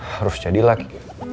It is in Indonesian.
harus jadi laki